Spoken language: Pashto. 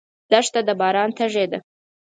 دښته د باران تږې ده.